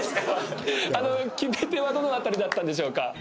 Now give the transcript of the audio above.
決め手はどの辺りだったんでしょうか？